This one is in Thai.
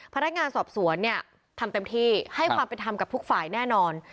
พนักงานสอบสวนเนี่ยทำเต็มที่ให้ความเป็นธรรมกับทุกฝ่ายแน่นอน